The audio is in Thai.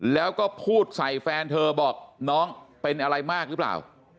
แล้วก็พูดใส่แฟนเธอบอกน้องเป็นอะไรมากหรือเปล่า